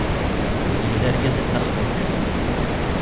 Wihin d argaz n Nna Xelluǧa.